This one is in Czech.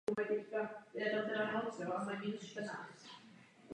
Tato skupina přivedla Cash Money Records k výhodné smlouvě k major labelu Universal Records.